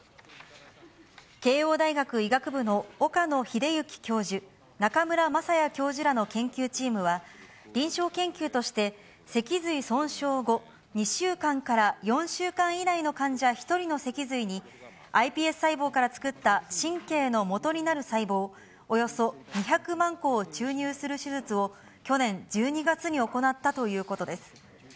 慶応大学医学部の岡野栄之教授、中村雅也教授らの研究チームは、臨床研究として脊髄損傷後２週間から４週間以内の患者１人の脊髄に、ｉＰＳ細胞から作った神経の元になる細胞およそ２００万個を注入する手術を、去年１２月に行ったということです。